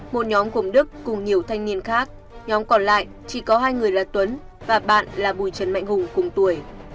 một nhóm gồm đức cùng nhiều thanh niên khác nhóm còn lại chỉ có hai người là tuấn và bạn là bùi trần mạnh hùng cùng tuổi